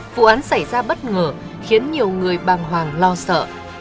vụ án xảy ra bất ngờ khiến nhiều người bàng hoàng lo sợ